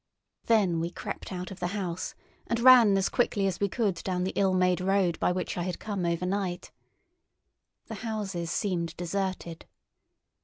Then we crept out of the house, and ran as quickly as we could down the ill made road by which I had come overnight. The houses seemed deserted.